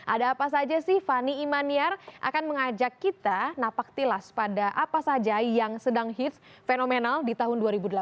ada apa saja sih fani imaniar akan mengajak kita napak tilas pada apa saja yang sedang hits fenomenal di tahun dua ribu delapan belas